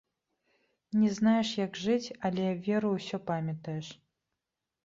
Не знаеш, як жыць, але, веру, усё памятаеш.